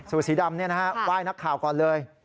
เสื้อสีดำเนี่ยนะฮะว่ายนักข่าวก่อนเลย